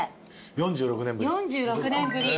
４６年ぶり。